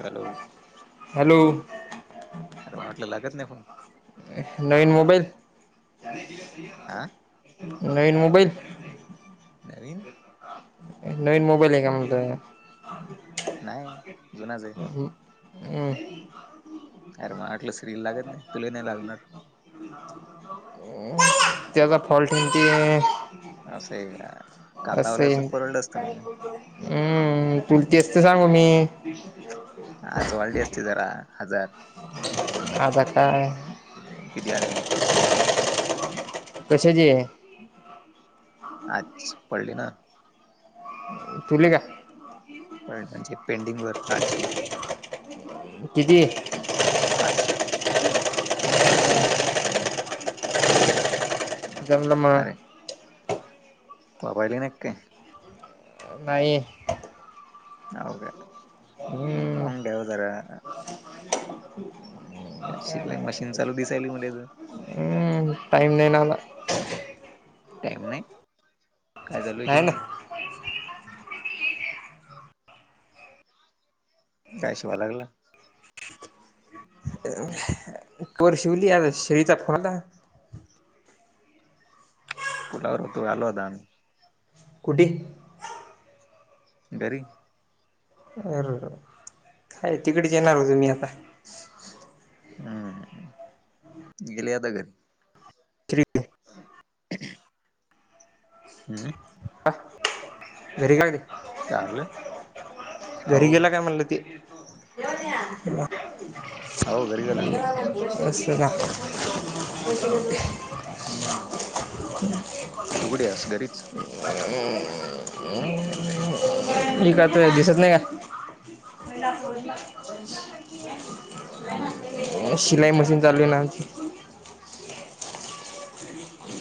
Hello hello अर मटले लागत नाही फोन नवीन मोबाईल आ नवीन मोबाईल नवीन नवीन मोबाईल आहे का म्हणतो ह नाही जुनाच आहे हम्म अरे मग आटल श्रील लागत नाही तुले नाही लागणार. त्याचा फॉल्ट [inaudible] असं आहे का काल असं लावल असत येईन तर परवडल असतं मंग. हम्म तुला तेच तर सांगू मी [inaudible] आजवाळडी असते जरा हजार आ द का विद्यालय म कस जी आहे. [unintelligible] आज पडली ना. तुले का. [unintelligible] किती. आठशे. चल ना म. बाबा आले नाहीत काय. नाही. जाऊदेत [unintelligible] जरा. आठशेत लय मशिन चालू दिसायली मले तर. टाइम नाही मला. टाईम नाही काय झाल नाही ना शिवनं. काय शिवाय लागला. अं [unintelligible] पोर शिवली आता शिळेचा फोला. पुलावर तूम्ही आला होता. कुठे. घरी. अररर, काय तिकडेच येणार होतो मी आता. अंम गेले आता घरी. थ्री. [unintelligible] हम्म. आं घरी का गेला. काल. घरी गेला काय म्हणलं ती. हो घरी गेला असं का. हम्म. तु कुठे हास घरीचं. [unintelligible] अं.. घरीचं आहे. एक हात दिसत नाही काय. [unintelligible] शिलाई दिस मशीन आता चालु नाही आहे ना लागला आमची.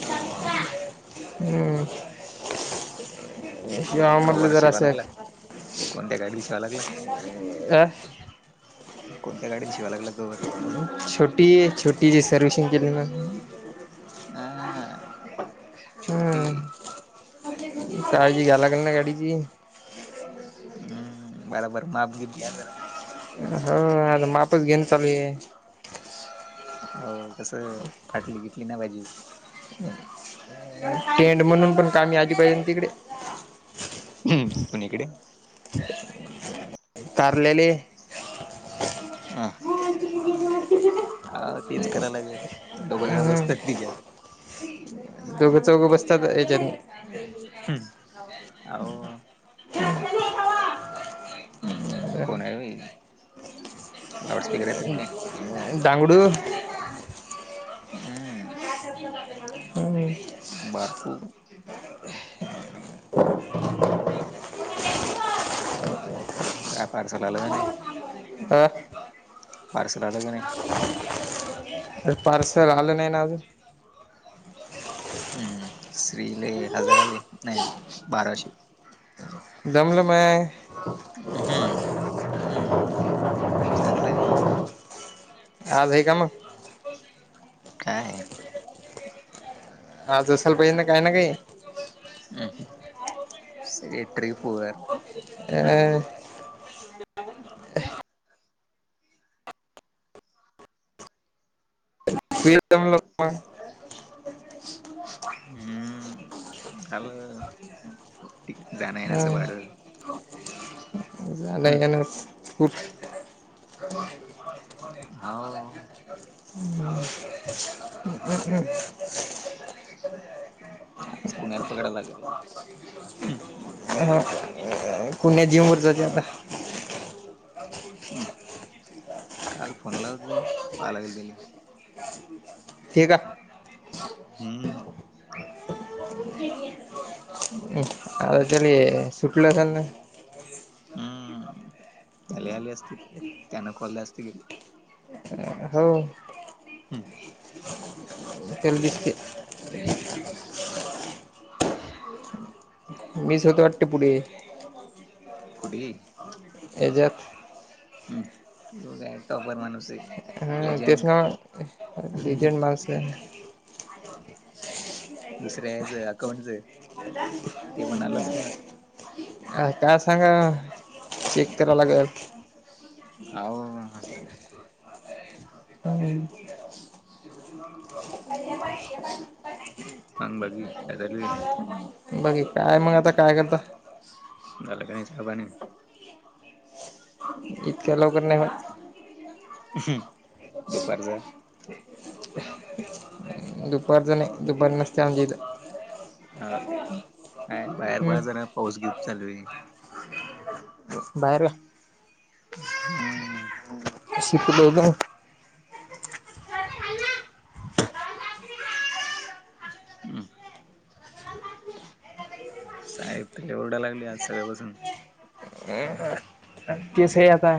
हां हां. अम... म्हटलं कवर जरा शिवाय असं लागला, कोणत्या गाडीला शिवाय लागला. अं.. कोणत्या गाडीन शिवाय लागला कवरं. छोटी ये छोटी जी सर्विसिंग केली ना. आं छोटी हम्म. ये. काळजी घ्या लागलं ना गाडीची. अं, बराबर माप गिप घ्या जरा. हो, आता मापच घेन चालूयं. हो, कसं फाटली बिटली नाय पाहिजे. टेंट म्हणून पण कामी आली पाहिजे ना तिकडे. हम्म, कुणीकडे तारलेले. आं... अ- तेच कराव लागलं, दोघंजण बसत्यात तिच्यात. [unintelligible] दोघं चौघं बसत्यात हेच्यातनी. हम्म, आवो. कोण आहे ओय, लाऊड स्पीकर येतात ते. दांगडू. अ.. म [unintelligible] बारको, काय पार्सल आलं का नाही? आं.. पार्सल आलं की नाही. अर.. पार्सल आलं नाही ना अजून, हम्म.. श्रीले हजारले नाही बाराशे. दमलं माय. हम् अम्म चांगले मग. आले का मगं. काय? आज असाल पाहिजे ना, काय ना काही हम्, सगळी ट्रिप वर. अ अ वम [unintelligible] हम्म झालं ठी जाण्यायेण्याच भाडं हा ख [unintelligible] अहो ह [unintelligible] आज कुण्याला पकडायला लागल ह [unintelligible] हम् काल फोन लावत होताय पाहा लागेल त्याला ठीक आहे हम्म हो आता त्याले सुटलं [unintelligible] ना हम्म त्याला आली असते त्यानं खोलल्या असते की हो हम्म तेला बी शिकीव ह मी स्वतः वाटतेे पुढे कुढली एजत ह तू काय टॉपर मणूस आहे हा तेच लेजंट ना लिजेंड [unintelligible] दुसऱ्या याज अकाउंटचय अ काय सांगा चेक कराय लागल हा.... व हम हे बघ [unintelligible] मग बाकी काय चालूये बाकी काय मग आता काय करता झाल का नाही चाय पाणी इतका लवकर नाय होत दुपारचा दुपारचा नाई दुपार नसते आमच्याइथ अ काय बाहेर पहा हम्म. जरा पाऊस किती चालू आहे बाहेर या हम्म शिकल [unintelligible] [unintelligible] हम् साहेब त लय ओरडाय लागलेत आज सकाळपासून अ केस आहे आता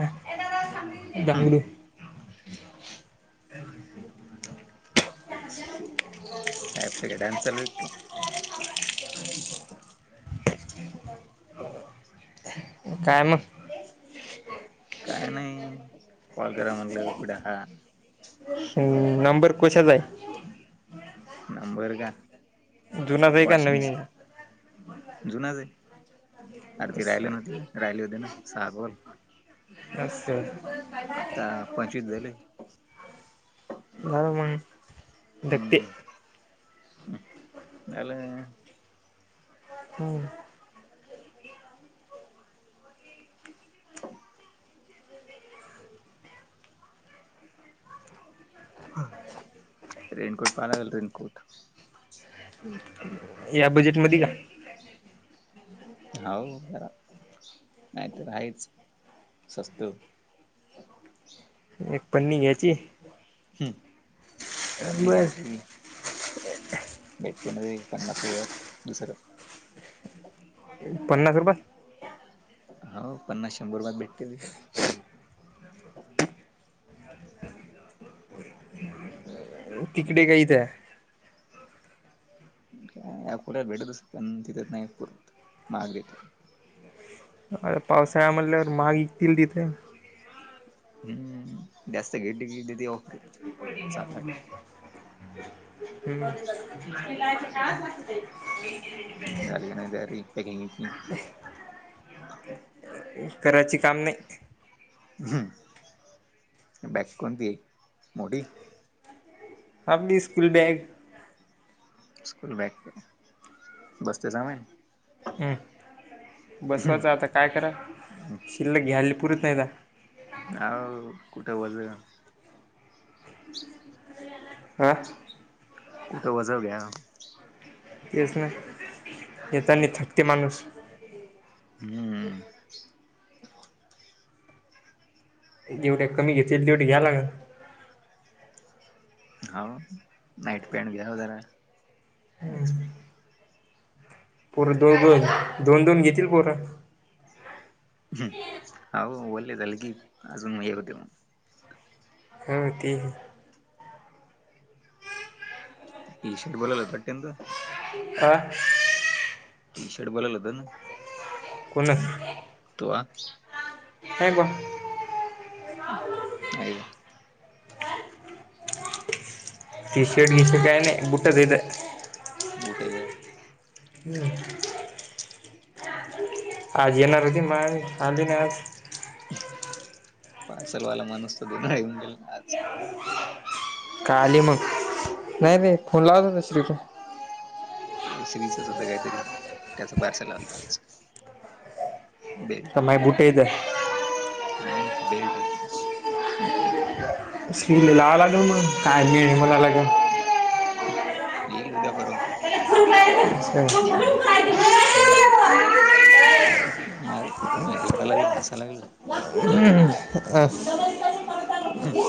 हम्म दाहडी.. एव [unintelligible] साहेबच का डान्स चालूयेत का काय मग काय नाही कॉल करा म्हणलं कुड हा हम्म नंबर कशाचा हाय. नंबर का जुनाच आहे का नवीन वाशिंगश आहे जुनाच ये अरे ते राहले असं नव्हते ना राहिले होते ना सहा कॉल असय - आता पाचवीस झाले. बर मंग हम्म झाल हम्म रेनकोट पाहालाआलो रेनकोट [unintelligible] या बजेट मध्ये का [unintelligible] हाओ जरा नाय तर हायेच सस्त एक पण नि घ्याची ह् पन्नी बस घ्यायची. भेट्टे नारे पन्नास रूपयात दुसरं पन्नास रुपयात हो पन्नास शंभर रुपयात भेटते ती तिकडे का इथ हा अकोल्यात भेटत असण पण तिथेच नाही पुरत महाग येत. अरे पावसाळा म्हंटल्यावर माळ तिरडीत ये हम्म जास्त घेतली की देती ऑफर सात आठ हम्म [inaudible] शिलाईच काम असुदे झाली का नाय तयारी पॅकिंग ची ई करायची काम नाय. हम् बॅक कोणती मोठी आमी स्कूल बॅग स्कूल बॅग पण बसते सामान हं बसवाचं आता काय करा शिल्लक घ्यायला पुरत नाय ना हाव कुठ वझ हा कुठं वजव घ्या. तेच ना येतानी थकते माणूस हम्म जेवढे कमी घेतील तेवढे घ्यायला लागण. हाव नाईट पॅन्ट घ्या ओ जरा पोरं दोन दोन दोन दोन घेतील पोर हाओ ओल्ले झालं की अजून हे होते मंग हं ती टी शर्ट बोलवला पट्टयाचा आ टी शर्ट बोलवला होता न कोणं नाय तो आप्स हँग हाय का टी शर्ट बीशर्ट काय नाय बूटचं हायत. बूटे घ्या ह् आज येणार रती म आणली ना पार्सलवाला माणूस तर दोन येऊन गेल ना आज काली मग नाही रेलावत हो दुसरीक श्रीचचद्धा काहीतरी त्याचं पार्सल आल होत आज बे मा बुट येत नाही नाही बेल्ट आहे स्कील अग म मलाग येईल उद्या परवा ह मी रडाय लागलंय आणि हसायलागलाय अ हम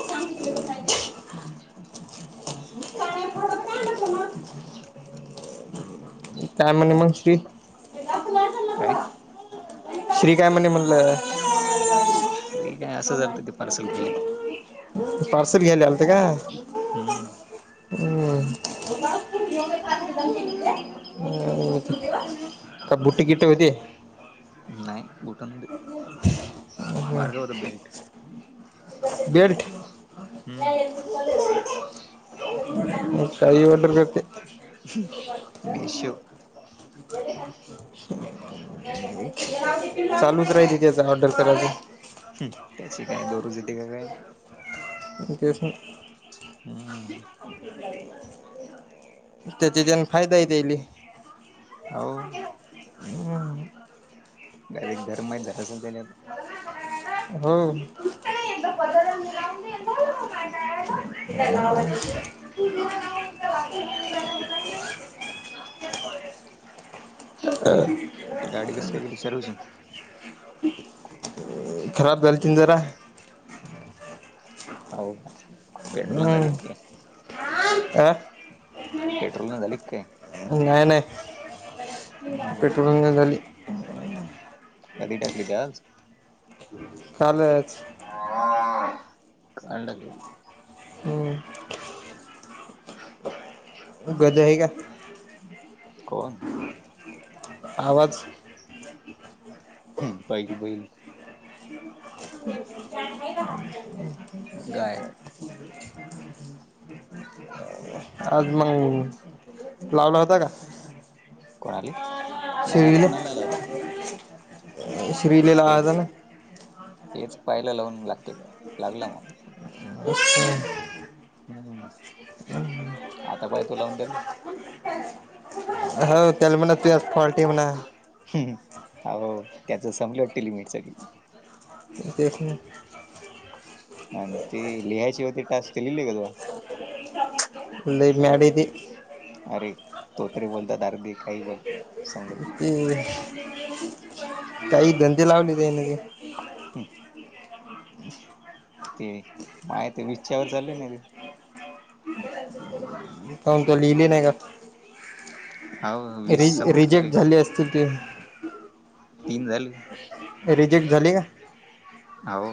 काय म्हणे मग श्री काय श्री काय म्हणणे म्हणलं श्री काय असं झालंं ते पार्सल घ्यायल का पार्सल घ्यायला आल ते का हम् ह [unintelligible] [unintelligible] का बुट किट होते? [unintelligible] बेड हम् ह म काही वाऑडर बे मिशो चालूच राहिलं त्याचं ऑर्डर करायच. हू, त्याची काय दररोज येते का काय? तेच म्हणलं. हू त्याची जन फायदाही त्याली. अहो ह डायरेक्ट घर माहीत झालं असलं त्या हो. [inaudible] गाडी कस काय गिली सर्व्हिसिंग खराब झाल्ती जरा. अहो काय? पेट्रोल न हू. झाली की काय पेट्रोल नाही झाली काय? नाही नाही, हम्म पेट्रोल नाही झाली. कधी टाकली ती आज? कालच. [inaudible] हम्म. गधा आहे का? कोण? आवाज? हम बैल बैल. [inaudible] गाय. आज मंग लावला होता का? कोणाली, नाय आज श्रीले कोणाला नाही लावला. हेच [unintelligible] हेच पाह्यला लावून लागतय का लागला मग. [unintelligible] [unintelligible] [unintelligible] हो हो त्याल म्हणा तूझ्यात फॉल्ट हे म्हणा हू हू आहो, त्याच संपल वाटत लिमिट सगळी. हू तेच ना. आणि ते लिहायची होती टास्क ते लिहिली का तू? लई मॅड हाय ते. अरे तोत्रे बोलतात, दारु दे काही बोलतात. समजत नाही ते काही धंदे लावले ते ना ते. हम ते, माय ते बिच्छावर चालले ना ते [inaudible] कोण ते लिहिले नाही का? हो वीस रि, सबमिट रिजेक्ट केले झाले असतील ते तीन झालेत. रिजेक्ट झाली का? हावो.